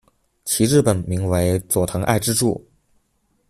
其日本名为佐藤爱之助。